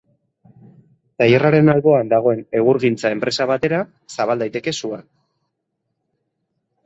Tailerraren alboan dagoen egurgintza enpresa batera zabal daiteke sua.